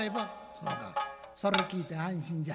「そうか。それを聞いて安心じゃ」